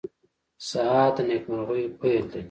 سهار د نیکمرغیو پېل دی.